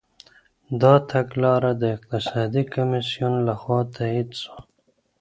دا تګلاره د اقتصادي کميسيون لخوا تاييد سوه.